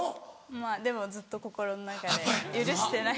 まぁでもずっと心の中で許してない。